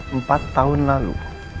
empat tahun lalu